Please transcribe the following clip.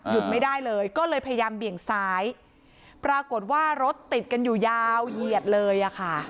ไม่ได้เลยก็เลยพยายามเบี่ยงซ้ายปรากฏว่ารถติดกันอยู่ยาวเหยียดเลยอะค่ะ